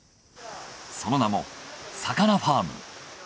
その名もさかなファーム。